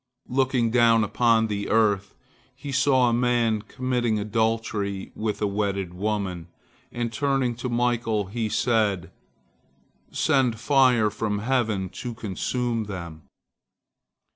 Looking down upon the earth, he saw a man committing adultery with a wedded woman, and turning to Michael he said, "Send fire from heaven to consume them."